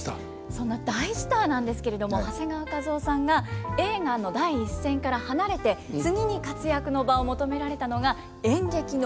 そんな大スターなんですけれども長谷川一夫さんが映画の第一線から離れて次に活躍の場を求められたのが演劇の舞台だということなんです。